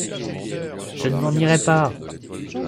Je ne m’en irai pas !